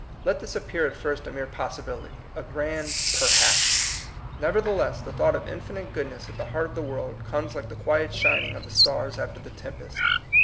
Let this appear at fii*st a mere possi bility, a grand Perhaps; nevertheless, the thought of infinite goodness at the heart of the world comes like the quiet shining of the stars after the tempest.